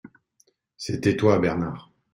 C’était toi, Bernard !